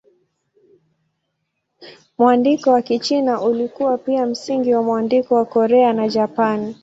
Mwandiko wa Kichina ulikuwa pia msingi wa mwandiko wa Korea na Japani.